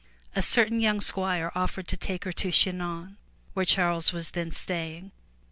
A certain young squire offered to take her to Chi non' where Charles was then staying.